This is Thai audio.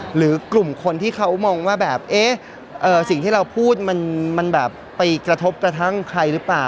หรือกลุ่มคนที่เขามองว่าแบบเอ๊ะสิ่งที่เราพูดมันแบบไปกระทบกระทั่งใครหรือเปล่า